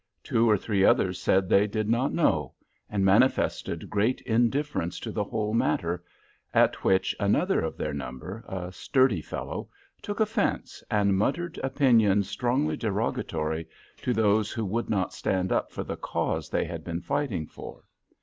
Two or three others said they did not know, and manifested great indifference to the whole matter, at which another of their number, a sturdy fellow, took offence, and muttered opinions strongly derogatory to those who would not stand up for the cause they had been fighting for.